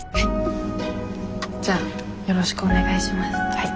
はい。